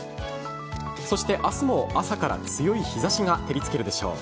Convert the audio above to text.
そして明日も朝から強い日差しが照りつけるでしょう。